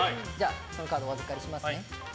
そのカードをお預かりしますね。